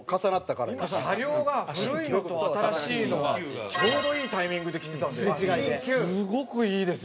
車両が古いのと新しいのがちょうどいいタイミングで来てたんですごくいいですよ。